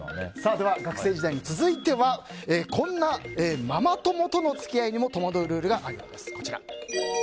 学生時代、続いてはこんなママ友との付き合いにも戸惑うルールがあるようです。